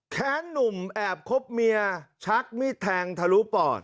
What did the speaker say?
หนุ่มแอบคบเมียชักมีดแทงทะลุปอด